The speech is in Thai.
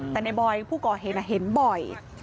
แต่ในบอยผู้ก่อเหตุเห็นบ่อย